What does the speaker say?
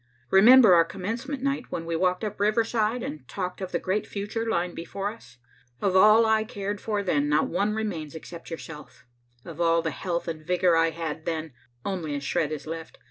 Remember our commencement night when we walked up Riverside, and talked of the great future lying before us? Of all I cared for then, not one remains except yourself. Of all the health and vigor I had then, only a shred is left.